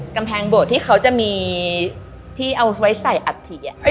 กำแพงโบสถ์ที่เขาจะมีที่เอาไว้ใส่อัฐิ